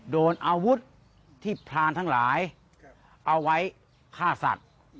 โดนอาวุธที่พรานทั้งหลายเอาไว้ฆ่าสัตว์